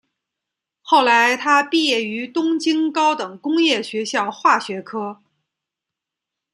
后来他毕业于东京高等工业学校化学科。